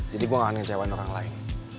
jadi gue gak akan ngecewain orang lain